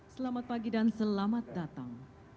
selamat pagi dan selamat datang